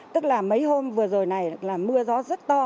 tức là mấy hôm vừa rồi này là mưa gió rất to